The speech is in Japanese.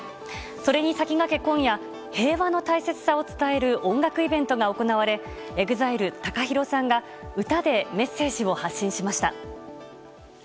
それに先駆け、今夜平和の大切さを伝える音楽イベントが行われＥＸＩＬＥのＴＡＫＡＨＩＲＯさんが歌でメッセージを発信しました。